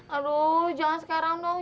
aduh jangan sekarang dong